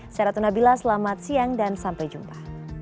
saya ratna bila selamat siang dan sampai jumpa